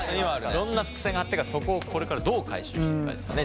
いろんな伏線張ってるからそこをこれからどう回収していくかですよね。